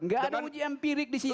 gak ada uji empirik disitu